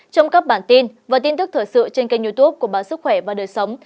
trong các bản tin và tin tức thật sự trên kênh youtube của bản sức khỏe và đời sống